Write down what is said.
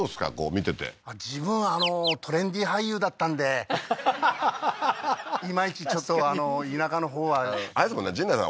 見てて自分トレンディー俳優だったんでいまいちちょっと田舎のほうはああいうとこね陣内さん